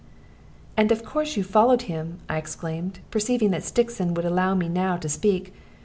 "And of course you followed him," I exclaimed, perceiving that Stixon would allow me now to speak.